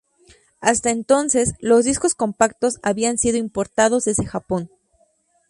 Hasta entonces, los discos compactos habían sido importados desde Japón.